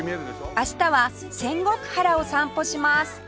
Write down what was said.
明日は仙石原を散歩します